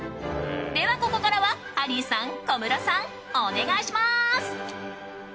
ではここからはハリーさん、小室さんお願いします。